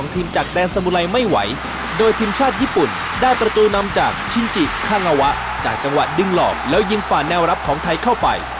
ไปดูกันเลยปะ